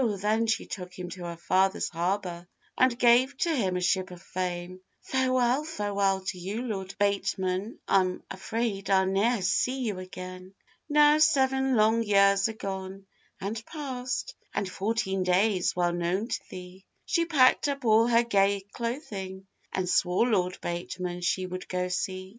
then she took him to her father's harbour, And gave to him a ship of fame; 'Farewell, farewell to you, Lord Bateman, I'm afraid I ne'er shall see you again.' Now seven long years are gone and past, And fourteen days, well known to thee; She packed up all her gay clothing, And swore Lord Bateman she would go see.